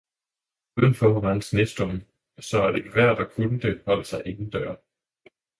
udenfor var en Sneestorm, saa at Enhver der kunde det holdt sig indendøre.